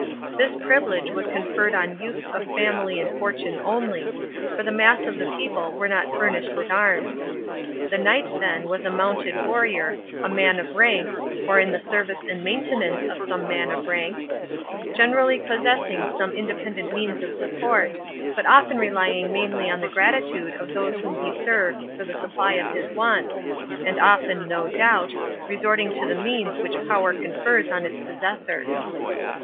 This privilege was conferred on youths of family and fortune only, for the mass of the people were not furnished with arms. The knight then was a mounted warrior, a man of rank, or in the service and maintenance of some man of rank, generally possessing some independent means of support, but often relying mainly on the gratitude of those whom he served for the supply of his wants, and often, no doubt, resorting to the means which power confers on its possessor.